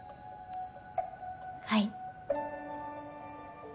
はい。